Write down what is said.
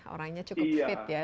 orangnya cukup fit ya